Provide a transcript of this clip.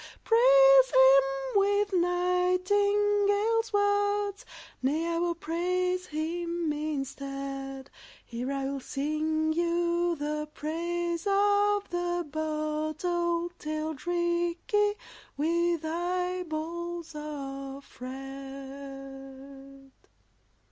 Praise him with nightingale words Nay, I will praise him instead. Hear! I will sing you the praise of the bottle tailed Rikki, with eyeballs of red!